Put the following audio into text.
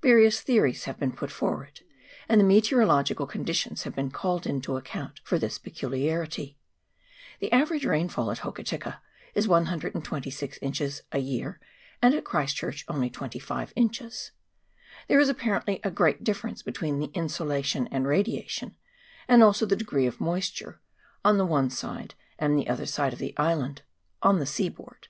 Various theories have been put forward, and the meteorological conditions have been called in to account for this peculiarity. The average rainfall at Hokitika is 126 inches a year and at Christchurch only 25 inches. There is apparently a great difference between the insolation and radiation, and also the degree of moisture, on the one side and the other of the island, on the sea board.